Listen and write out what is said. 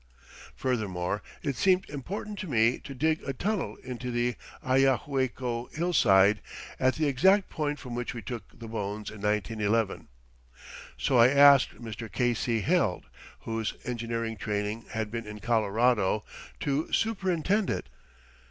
Furthermore, it seemed important to me to dig a tunnel into the Ayahuaycco hillside at the exact point from which we took the bones in 1911. So I asked Mr. K. C. Heald, whose engineering training had been in Colorado, to superintend it.